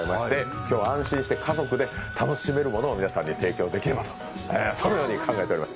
今日は安心して家族で楽しめるものを皆さんにそのように考えております！